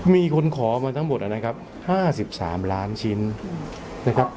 มีคนขอมาทั้งหมดอะนะครับห้าสิบสามล้านชิ้นนะครับ